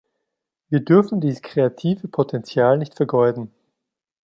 Wir dürfen dieses kreative Potenzial nicht vergeuden.